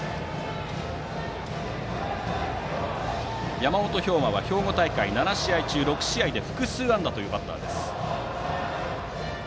山本彪真は兵庫大会７試合中６試合で複数安打というバッターです。